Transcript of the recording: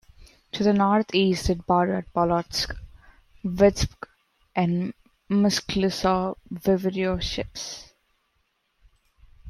To the north east it bordered Polotsk, Vitebsk and Mscislaw voivodeships.